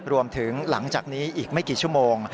รวมถึงหลังจากนี้อีกไม่กี่ชั่วโมง